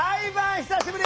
久しぶり！